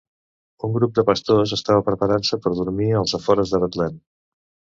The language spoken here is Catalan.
Un grup de pastors estava preparant-se per dormir als afores de Betlem.